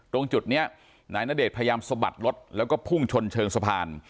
ตรงจุดนี้นายณเดชน์พยายามสะบัดรถแล้วก็พุ่งชนเชิงสะพาน